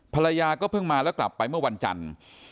ภรรยาก็เพิ่งมาแล้วกลับไปเมื่อวันจันทร์